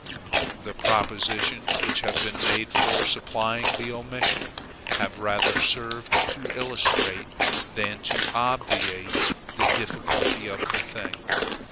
The propositions which have been made for supplying the omission have rather served to illustrate than to obviate the difficulty of the thing.